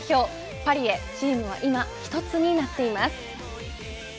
パリへチームは今一つになっています。